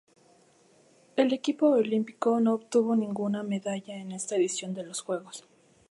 El equipo olímpico no obtuvo ninguna medalla en esta edición de los Juegos.